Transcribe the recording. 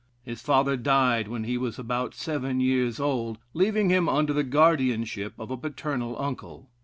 His father died when he was about seven years old, leaving him under the guardianship of a paternal uncle.